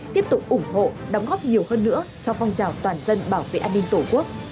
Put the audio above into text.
tiếp tục ủng hộ đóng góp nhiều hơn nữa cho phong trào toàn dân bảo vệ an ninh tổ quốc